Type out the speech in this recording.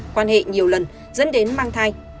quan hệ nhiều lần dẫn đến mang thai